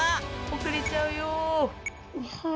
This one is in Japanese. おくれちゃうよ。